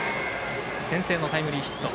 先制のタイムリーヒット。